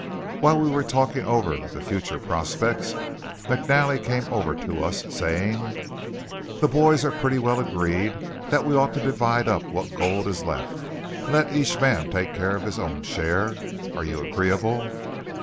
While we were talking over the future prospects, McNally came over to us, saying: "The boys are pretty well agreed that we ought to divide up what gold is left, and let each man take care of his own share. Are you agreeable?"